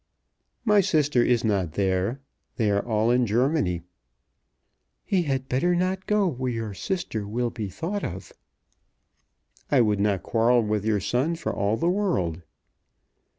"My sister is not there. They are all in Germany." "He had better not go where your sister will be thought of." "I would not quarrel with your son for all the world."